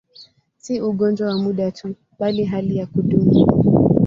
Si ugonjwa wa muda tu, bali hali ya kudumu.